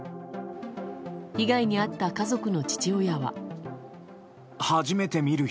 被害に遭った家族の父親は。